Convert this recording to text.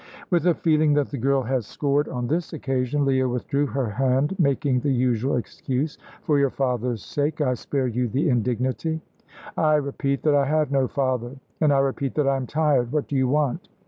With a feeling that the girl had scored on this occasion Leah withdrew her hand, making the usual excuse: "For your father's sake I spare you the indignity." "I repeat that I have no father." "And I repeat that I am tired. What do you want?"